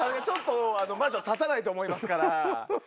ちょっとマンション建たないと思いますから。